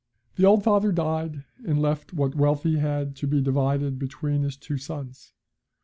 The old father died, and left what wealth he had to be divided between his two sons.